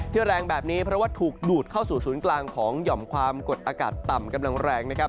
แรงแบบนี้เพราะว่าถูกดูดเข้าสู่ศูนย์กลางของหย่อมความกดอากาศต่ำกำลังแรงนะครับ